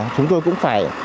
chúng tôi cũng phải